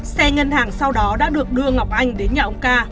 xe ngân hàng sau đó đã được đưa ngọc anh đến nhà ông ca